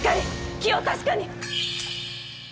気を確かに！